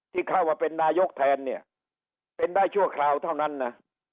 ที่เข้ามาเป็นนายกแทนเนี่ยเป็นได้ชั่วคราวเท่านั้นนะ